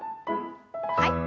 はい。